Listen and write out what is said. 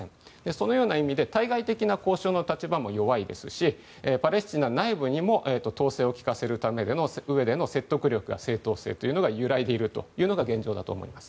そのような意味で対外的な交渉の立場も弱いですしパレスチナ内部にも統制を利かせるうえでの説得力や正当性が揺らいでいるというのが現状だと思います。